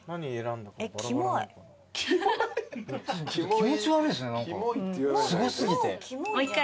気持ち悪いですね何かすご過ぎて。